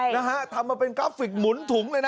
นะฮะทำมาเป็นกราฟิกหมุนถุงเลยนะ